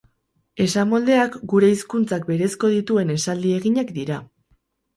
Esamoldeak gure hizkuntzak berezko dituen esaldi eginak dira.